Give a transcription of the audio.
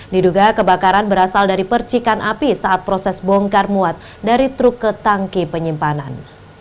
diduga kebakaran berasal dari percikan api saat proses bongkar muat dari truk ke tangki penyimpanan